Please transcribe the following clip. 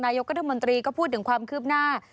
นายก็พูดถึงความคืบหน้า